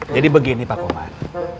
jadi begini pak kumar